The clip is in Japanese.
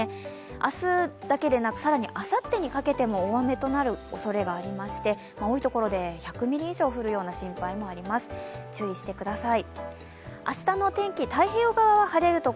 明日だけでなく更にあさってにかけても大雨となるおそれがありまして多いところで１００ミリ以上降る心配もありますので、注意してください。